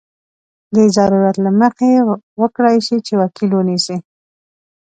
د ضرورت له مخې وکړای شي چې وکیل ونیسي.